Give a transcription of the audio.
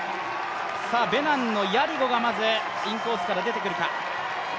ベナンのヤリゴがまずインコ−スから出てくるか。